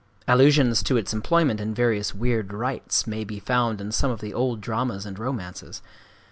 Allusions to its employment in various weird rites may be found in some of the old dramas and romances.